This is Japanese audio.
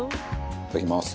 いただきます。